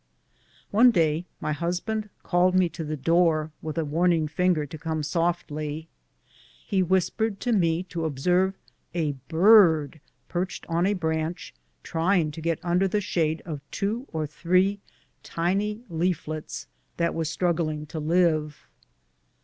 One day my husband called me to the door, with a warning finger to come softly. He whispered to me to observe a bird perched on a branch, and trying to get under the shade of two or three tiny leaflets that were struggling to live.